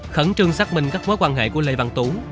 khẩn trương xác minh các mối quan hệ của lê văn tú